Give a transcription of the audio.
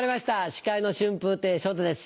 司会の春風亭昇太です。